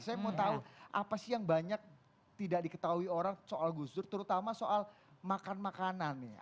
saya mau tahu apa sih yang banyak tidak diketahui orang soal gus dur terutama soal makan makanan nih